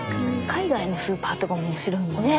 海外のスーパーとかも面白いもんね。